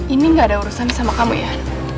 ini gak ada urusan sama kamu ya